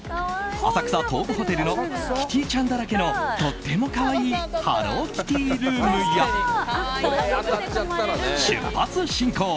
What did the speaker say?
浅草東武ホテルのキティちゃんだらけのとっても可愛いハローキティルームや出発進行！